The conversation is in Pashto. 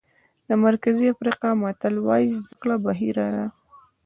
د مرکزي افریقا متل وایي زده کړه بحیره ده.